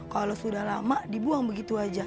kalau sudah lama dibuang begitu saja